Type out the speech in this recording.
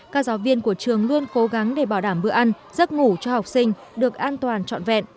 các giáo viên của trường luôn cố gắng để bảo đảm bữa ăn giấc ngủ cho học sinh được an toàn trọn vẹn